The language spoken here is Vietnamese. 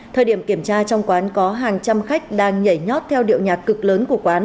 thời điểm kiểm tra trong quán có hàng trăm khách đang nhảy nhót theo điệu nhạc cực lớn